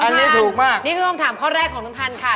น้องท่านนี่คือกำถังข้อแรกของน้องท่านค่ะ